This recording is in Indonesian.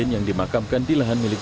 yang dimakamkan di lahan milik